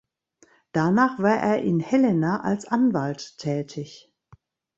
Danach war er in Helena als Anwalt tätig.